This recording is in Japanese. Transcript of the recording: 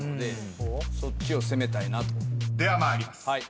［では参ります。